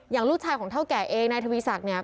อย่างลูกชายของเท่าแก่เองนายทวีสัก